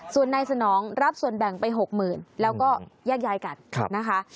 ส่วนนายสนองรับส่วนแบ่งไป๖๐๐๐แล้วก็แยกย้ายกันนะคะ